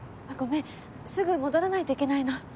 あっごめんすぐ戻らないといけないの。